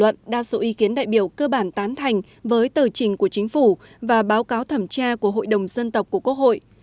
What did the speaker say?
các ý kiến đại biểu cơ bản tán thành với tờ trình của chính phủ và báo cáo thẩm tra của hội đồng dân tộc của quốc hội